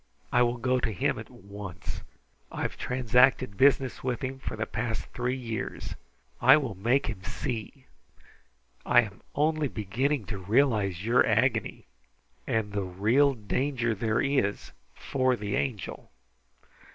I will go to him at once. I have transacted business with him for the past three years. I will make him see! I am only beginning to realize your agony, and the real danger there is for the Angel.